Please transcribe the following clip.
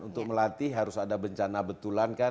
untuk melatih harus ada bencana betulan kan